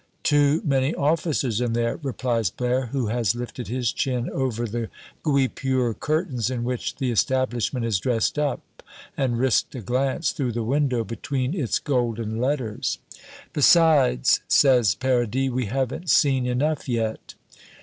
"Too many officers in there," replies Blaire, who has lifted his chin over the guipure curtains in which the establishment is dressed up and risked a glance through the window between its golden letters. "Besides," says Paradis, "we haven't seen enough yet."